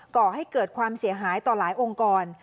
ก่อให้เกิดความเสียหายต่อหลายองค์กร